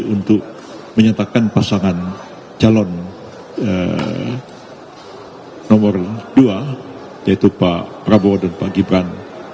untuk menyatakan pasangan calon nomor dua yaitu pak prabowo dan pak gibran